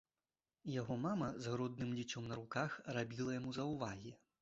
Яго мама з грудным дзіцём на руках рабіла яму заўвагі.